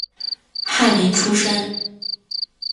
翰林出身。